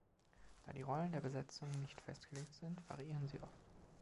Da die Rollen der Besetzung nicht festgelegt sind, variieren sie oft.